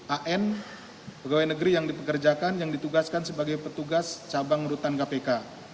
an pegawai negeri yang dipekerjakan yang ditugaskan sebagai petugas cabang rutan kpk